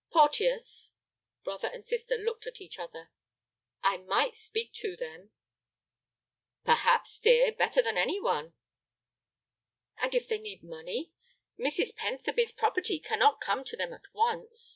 "Porteus." Brother and sister looked at each other. "I might speak to them." "Perhaps, dear, better than any one." "And if they need money? Mrs. Pentherby's property cannot come to them at once.